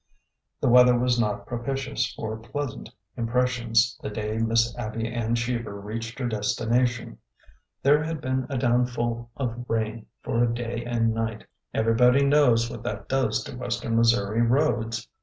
The weather was not propitious for pleasant impres sions the day Miss Abby Ann Cheever reached her desti nation. There had been a downfall of rain for a day and night. Everybody knows what that does to western Missouri roads.